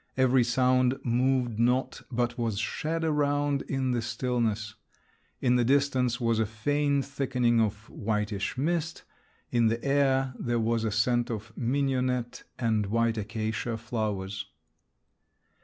Every sound moved not, but was shed around in the stillness. In the distance was a faint thickening of whitish mist; in the air there was a scent of mignonette and white acacia flowers.